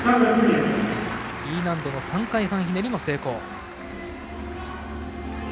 Ｅ難度の３回半ひねりも成功。